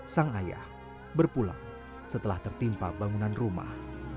sang ayah berpulang setelah tertimpa bangunan rumah